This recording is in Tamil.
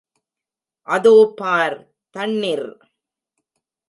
அதோ பார், தண்ணிர்!